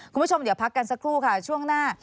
คุณผู้ชมเดี๋ยวพักกันสักครู่ค่ะช่วงหน้า